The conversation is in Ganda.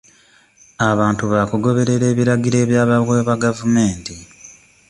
Abantu baakugoberera ebiragiro ebyabawebwa gavumenti.